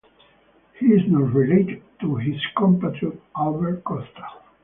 He is not related to his compatriot Albert Costa.